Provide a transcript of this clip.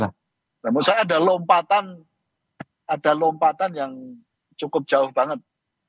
nah menurut saya ada lompatan ada lompatan yang cukup jauh banget